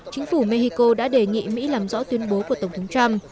chính phủ mexico đã đề nghị mỹ làm rõ tuyên bố của tổng thống trump